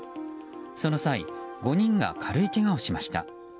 その際、５人が軽いけがをしました。